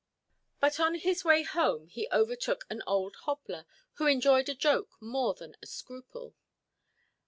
But on his way home he overtook an old hobbler, who enjoyed a joke more than a scruple.